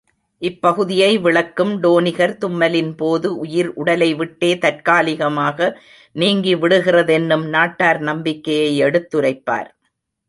இப்பகுதியை விளக்கும் டோனிகர் தும்மலின்போது உயிர் உடலை விட்டே தற்காலிகமாக நீங்கி விடுகிறதென்னும் நாட்டார் நம்பிக்கையை எடுத்துரைப்பார்.